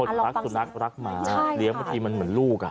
รักสุนัขรักหมาเลี้ยงบางทีมันเหมือนลูก